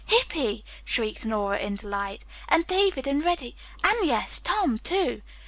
"Hippy!" shrieked Nora in delight. "And David and Reddy, and yes Tom, too!"